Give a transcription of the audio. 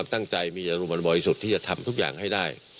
ตั้งใจมีจังหลวงมันบ่อยสุดที่จะทำทุกอย่างให้ได้